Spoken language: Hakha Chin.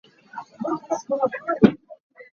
Ka hawipa cu a lu aa kawlh.